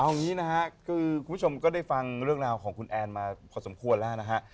เอางี้นะฮะคือคุณผู้ชมก็ได้ฟังเรื่องราวของคุณแอนมาพอสมควรแล้วนะฮะ